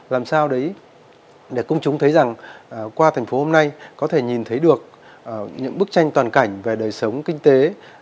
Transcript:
làm sao đấy để công chúng thấy rằng qua thành phố hôm nay có thể nhìn thấy được những bức tranh toàn cảnh về đời sống kinh tế